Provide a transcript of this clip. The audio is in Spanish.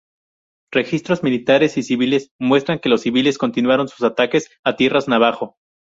Registros militares y civiles muestran que los civiles continuaron sus ataques a tierras Navajo.